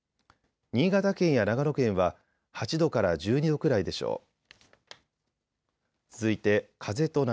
新潟県や長野県は８度から１２度くらいでしょう。